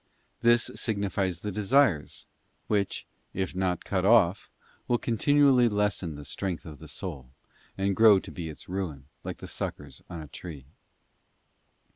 * This signifies the desires, which, if not cut off, will continually lessen the strength of the soul, and grow to be its ruin, like the suckers on a tree.